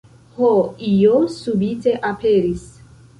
Ho, io subite aperis!